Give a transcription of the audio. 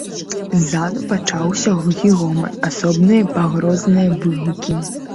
Ззаду пачаўся глухі гоман, асобныя пагрозныя выгукі.